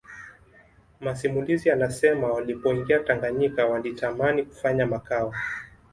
Masimulizi yanasema walipoingia Tanganyika walitamani kufanya makao